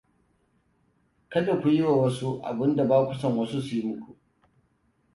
Kada ku yi wa wasu abin da ba ku so wasu su yi muku.